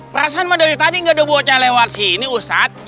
perasaan mah dari tadi nggak ada bocah lewat sini ustadz